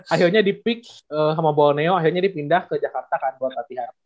akhirnya di peak sama boneo akhirnya dipindah ke jakarta kan buat latihan